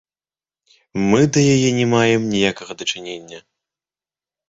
Мы да яе не маем ніякага дачынення.